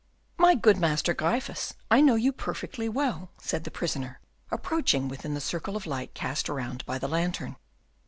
"My good Master Gryphus, I know you perfectly well," said the prisoner, approaching within the circle of light cast around by the lantern.